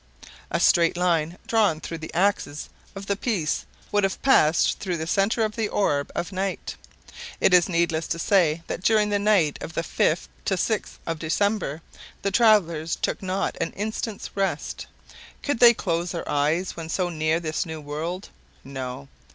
A straight line drawn through the axis of the piece would have passed through the center of the orb of night. It is needless to say, that during the night of the 5th 6th of December, the travelers took not an instant's rest. Could they close their eyes when so near this new world? No!